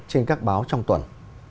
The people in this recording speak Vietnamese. trên các báo trong tuần